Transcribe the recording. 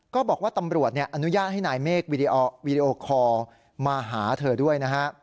ก็บอกว่าตำรวจอนุญาตให้นายเมฆวีดีโอคอลมาหาเธอด้วยนะฮะ